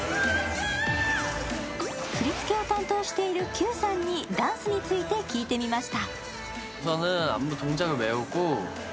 振付を担当しているキューさんにダンスについて聞いてみました。